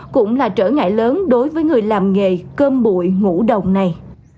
cũng là trở ngại lớn đối với người làm nghề cơm bụi đồng này